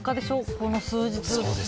この数日。